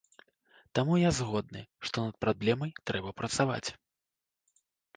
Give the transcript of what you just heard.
Таму я згодны, што над праблемай трэба працаваць.